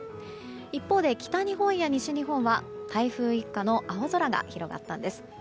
一方で北日本や西日本は台風一過の青空が広がったんです。